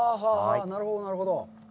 なるほど、なるほど。